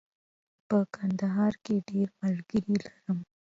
په کندهار کې ډېر ملګري لرم.